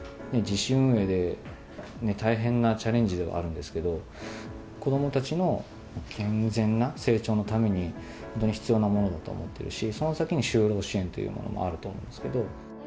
自主運営で、大変なチャレンジではあるんですけど、子どもたちの健全な成長のために、とても必要なものだと思ってるし、その先に就労支援というものもあると思うんですけど。